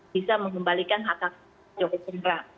bisa mengembalikan hak hak joko chandra